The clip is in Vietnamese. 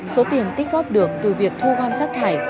số tiền tích góp được từ việc thu gom rác thải